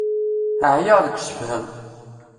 Ɛyiɣ deg usefhem.